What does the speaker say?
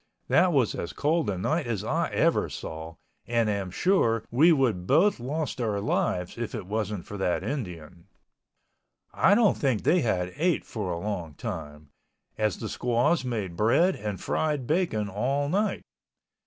That was as cold a night as I ever saw and am sure we would both lost our lives if it wasn't for that Indian. I don't think they had ate for a long time, as the squaws made bread and fried bacon all night.